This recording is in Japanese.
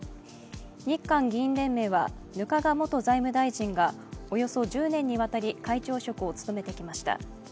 日韓議員連盟は額賀元財務大臣がおよそ１０年にわたり会長職を務めてきました。